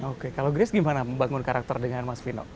oke kalau grace gimana membangun karakter dengan mas vino